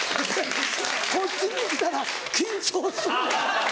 こっちに来たら緊張するんだ！